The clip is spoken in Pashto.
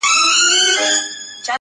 • هر وګړی پر فطرت وي زېږېدلی -